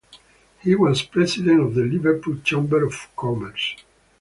He was President of the Liverpool Chamber of Commerce.